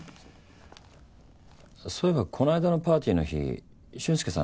そういえばこの間のパーティーの日俊介さん